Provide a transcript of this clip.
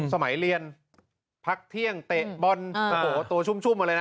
สมัยเรียนพักเที่ยงเตะบอลโอ้โหตัวชุ่มมาเลยนะ